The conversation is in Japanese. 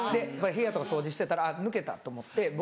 部屋とか掃除してたらあっ抜けたと思って。